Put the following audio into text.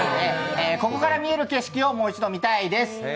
ここから見える景色をもう一度見たいです。